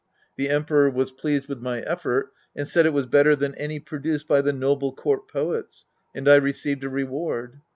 The Emperor was pleased with my effort and said it was better than any produced by the noble court poets. And I receiv ed a i eward.